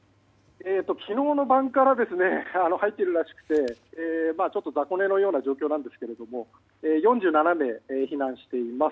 昨日の晩から入っているらしくてちょっと雑魚寝のような状況ですが４７名避難しています。